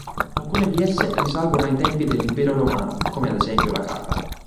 Alcune di esse risalgono ai tempi dell'Impero romano, come ad esempio la carpa.